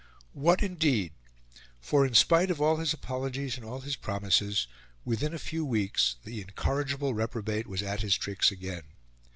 What indeed? For, in spite of all his apologies and all his promises, within a few weeks the incorrigible reprobate was at his tricks again.